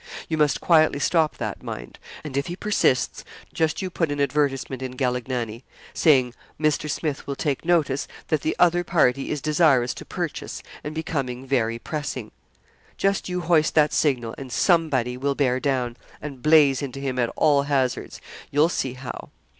You must quietly stop that, mind; and if he persists, just you put an advertisement in "Galignani," saying Mr. Smith will take notice, that the other party is desirous to purchase, and becoming very pressing. Just you hoist that signal, and somebody will bear down, and blaze into him at all hazards you'll see how.